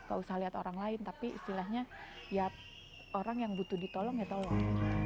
kausah liat orang lain tapi istilahnya ya orang yang butuh ditolong ya tolong